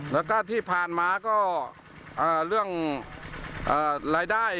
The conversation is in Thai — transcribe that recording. แล้วก็ที่ผ่านมาก็เรื่องรายได้